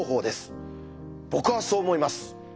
僕はそう思います。